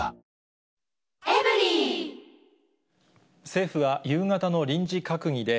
政府は夕方の臨時閣議で、